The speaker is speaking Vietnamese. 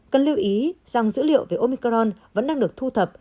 cần lưu ý rằng dữ liệu về omicron vẫn đang được thu thập